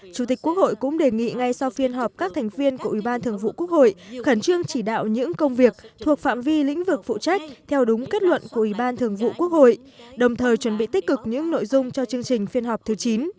chủ tịch quốc hội cũng đề nghị ngay sau phiên họp các thành viên của ủy ban thường vụ quốc hội khẩn trương chỉ đạo những công việc thuộc phạm vi lĩnh vực phụ trách theo đúng kết luận của ủy ban thường vụ quốc hội đồng thời chuẩn bị tích cực những nội dung cho chương trình phiên họp thứ chín